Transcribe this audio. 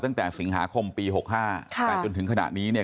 ตั้งแต่สิงหาคมปี๖๕แต่จนถึงขณะนี้เนี่ย